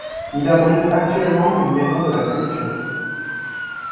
Il abrite actuellement une maison de la culture.